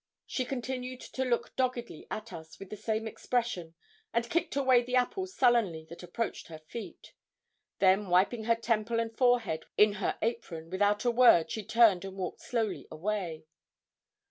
She continued to look doggedly at us with the same expression, and kicked away the apples sullenly that approached her feet. Then, wiping her temple and forehead in her apron, without a word, she turned and walked slowly away.